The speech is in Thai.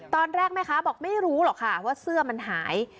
ตอนแรกแม่ค้าบอกไม่รู้หรอกค่ะว่าเสื้อมันหาย